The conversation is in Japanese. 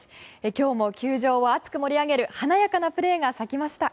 今日も球場を熱く盛り上げる華やかなプレーが咲きました。